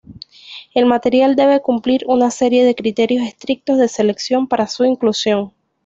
El material debe cumplir una serie de criterios estrictos de selección para su inclusión.